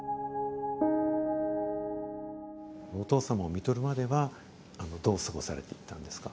お父様をみとるまではどう過ごされていったんですか？